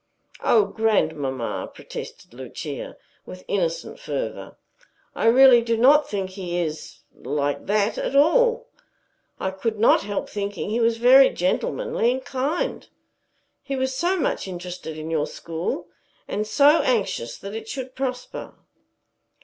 "O grandmamma!" protested Lucia, with innocent fervor. "I really do not think he is like that at all. I could not help thinking he was very gentlemanly and kind. He is so much interested in your school, and so anxious that it should prosper."